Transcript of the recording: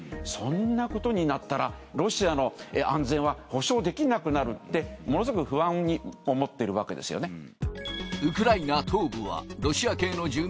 そんなことになったらロシアの安全は保障できなくなるってものすごく不安に思っているわけですよね。